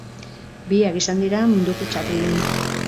Biak izan dira munduko txapeldun.